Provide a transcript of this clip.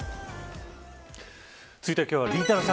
続いては今日はりんたろー。